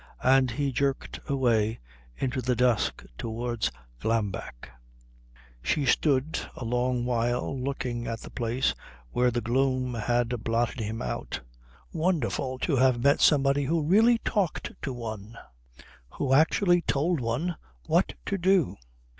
And he jerked away into the dusk towards Glambeck. She stood a long while looking at the place where the gloom had blotted him out. Wonderful to have met somebody who really talked to one, who actually told one what to do.